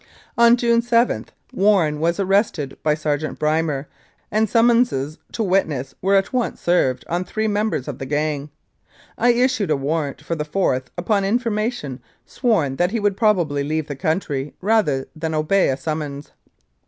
On June 7 Warren was arrested by Sergeant Brymer, and summonses to wit ness were at once served on three members of the gang. I issued a warrant for the fourth upon information sworn that he would probably leave the country rather than obey a summons.